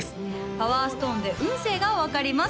パワーストーンで運勢が分かります